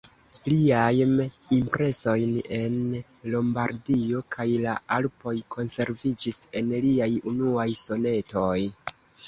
Liajm impresojn en Lombardio kaj la Alpoj konserviĝis en liaj unuaj sonetoj.